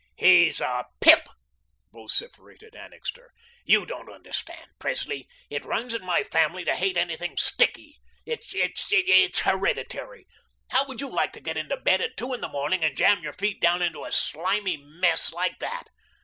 "He's a PIP," vociferated Annixter. "You don't understand, Presley. It runs in my family to hate anything sticky. It's it's it's heredity. How would you like to get into bed at two in the morning and jam your feet down into a slimy mess like that?